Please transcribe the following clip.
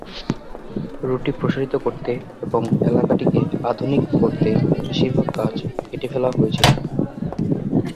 রুটটি প্রসারিত করতে এবং এলাকাটিকে 'আধুনিক' করতে বেশিরভাগ গাছ কেটে ফেলা হয়েছিল।